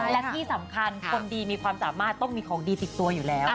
และที่สำคัญคนดีมีความสามารถต้องมีของดีติดตัวอยู่แล้ว